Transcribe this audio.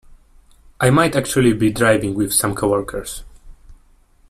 I might actually be driving with some coworkers.